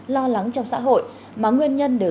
lo lắng trong xã hội mà nguyên nhân đều